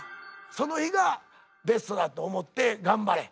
その日がベストだと思って頑張れ。